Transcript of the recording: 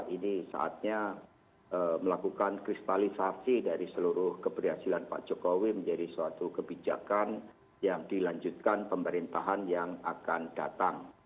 ini saatnya melakukan kristalisasi dari seluruh keberhasilan pak jokowi menjadi suatu kebijakan yang dilanjutkan pemerintahan yang akan datang